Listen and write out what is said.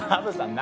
何？